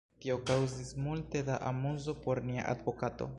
Tio kaŭzis multe da amuzo por nia advokato!